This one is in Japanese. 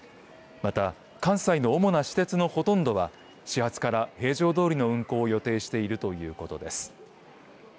また関西の主な私鉄のほとんどは始発から平常どおりの運行を予定してるということです。